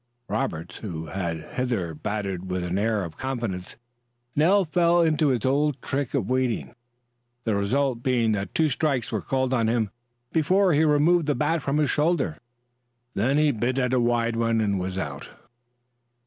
Roberts, who had hitherto batted with an air of confidence, now fell into his old trick of waiting, the result being that two strikes were called on him before he removed the bat from his shoulder. Then he bit at a wide one, and was out.